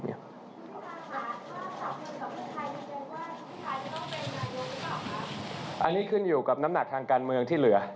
อันนี้ขึ้นอยู่กับน้ำหนักทางการเมืองที่เหลือ